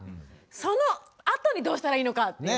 そのあとにどうしたらいいのかっていう問題。